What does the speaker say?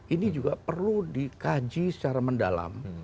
ini juga perlu dikaji secara mendalam